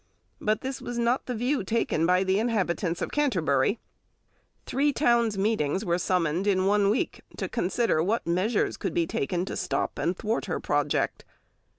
But this was not the view taken by the inhabitants of Canterbury. Three town's meetings were summoned in one week to consider what measures could be taken to stop and thwart her project.